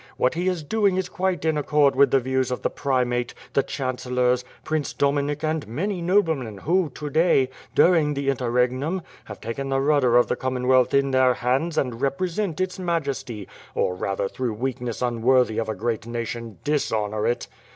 What he is doing is quite in accord with the views of the primate, the chancellors, Prince Dominik and many noblemen, who to day, during the interregnum, have taken the rudder of the Com monwealth in their hands and represent its majesty, or rather, through weakness unworthy of a great nation, dis honor it.